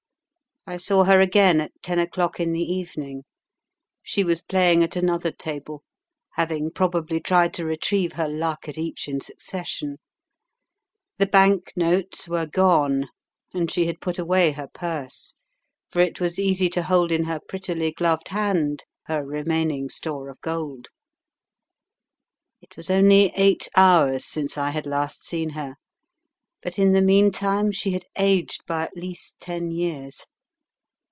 I saw her again at ten o'clock in the evening. She was playing at another table, having probably tried to retrieve her luck at each in succession. The bank notes were gone, and she had put away her purse, for it was easy to hold in her prettily gloved hand her remaining store of gold. It was only eight hours since I had last seen her, but in the meantime she had aged by at least ten years.